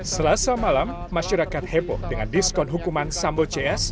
selasa malam masyarakat heboh dengan diskon hukuman sambo cs